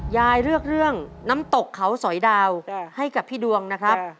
ยายเลือกเรื่องน้ำตกเขาสอยดาวให้กับพี่ดวงนะครับ